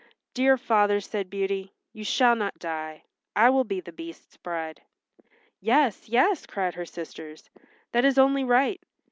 "Dear father," said Beauty, "you shall not die. I will be the Beast's bride." "Yes, yes," cried her sisters. "That is only right.